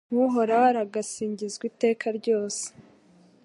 Uhoraho aragasingizwa iteka ryose